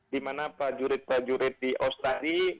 dimana pak jurid pak jurid di australia